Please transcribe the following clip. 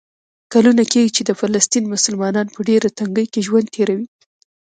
کلونه کېږي چې د فلسطین مسلمانان په ډېره تنګۍ کې ژوند تېروي.